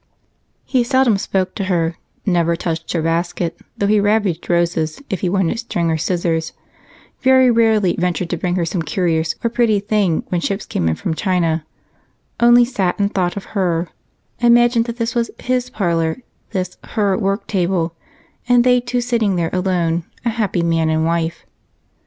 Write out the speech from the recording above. He seldom spoke to her; never touched her basket, though he ravaged Rose's if he wanted string or scissors; very rarely ventured to bring her some curious or pretty thing when ships came in from China only sat and thought of her, imagined that this was his parlor, this her worktable, and they two sitting there alone a happy man and wife.